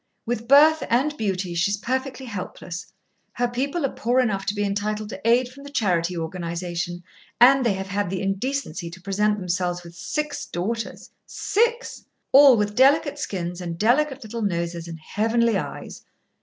With birth and beauty, she is perfectly helpless. Her people are poor enough to be entitled to aid from the Charity Organisation, and they have had the indecency to present themselves with six daughters six! All with delicate skins and delicate little noses and heavenly eyes.